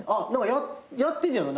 やってんねやろ？